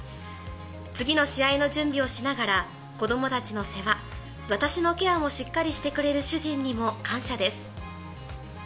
次の試合の準備をしながら、子どもたちの世話、私たちのケアもしっかりしてくれる主人にも感謝です。